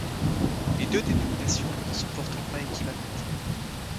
Les deux dénominations ne sont pourtant pas équivalentes.